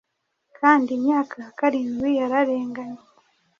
Kandi imyaka ya karindwi yararenganye.